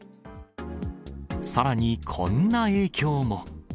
さらにこんな影響も。